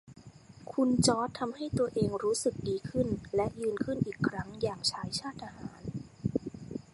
คุณจอร์จทำให้ตัวเองรู้สึกดีขึ้นและยืนขึิ้นอีกครั้งอย่างชายชาติทหาร